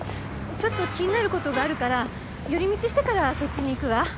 ちょっと気になる事があるから寄り道してからそっちに行くわ。